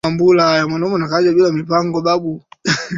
Alianika nguo zake nje zikabebwa na upepo